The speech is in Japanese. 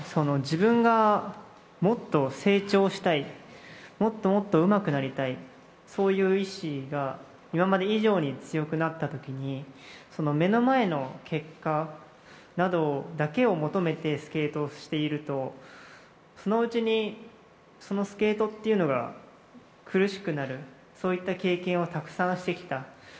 自分がもっと成長したい、もっともっとうまくなりたい、そういう意思が、今まで以上に強くなったときに、目の前の結果などだけを求めてスケートをしていると、そのうちにそのスケートというのが苦しくなる、そういった経験をたくさんしてきた。